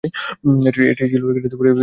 এটি ছিল তাঁর চতুর্থ বিবাহ।